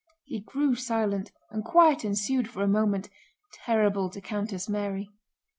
He grew silent, and quiet ensued for a moment, terrible to Countess Mary.